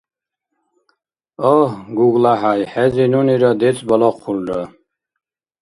Агь, ГуглахӀяй, хӀези нунира децӀ балахъулра.